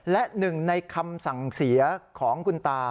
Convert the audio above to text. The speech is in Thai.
และหนึ่งในคำสั่งเสียของคุณตา